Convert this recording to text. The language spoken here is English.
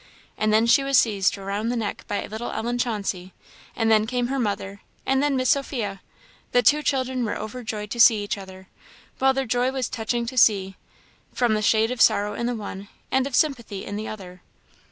And then she was seized round the neck by little Ellen Chauncey! and then came her mother, and then Miss Sophia. The two children were overjoyed to see each other, while their joy was touching to see, from the shade of sorrow in the one, and of sympathy in the other.